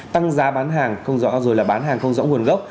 tăng giá bán hàng không rõ rồi là bán hàng không rõ nguồn gốc